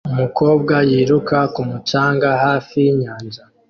Umukobwa yiruka ku mucanga hafi yinyanja